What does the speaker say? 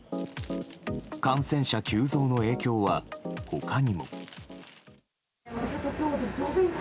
感染者急増の影響は、他にも。